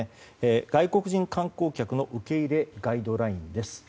外国人観光客の受け入れガイドラインです。